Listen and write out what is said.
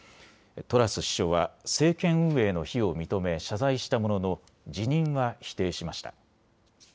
トラス首相は政権運営の非を認め謝罪したものの辞任は否定しました。